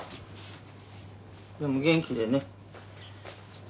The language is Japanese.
でも元気でね。